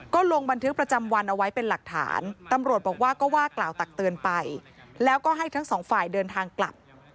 ก็ลงบันทึกประจำวันเอาไว้เป็นหลักฐานตำรวจบอกว่าก็ว่ากล่าวตักเตือนไปแล้วก็ให้ทั้งสองฝ่ายเดินทางกลับ